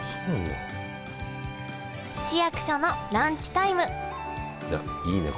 市役所のランチタイムいいね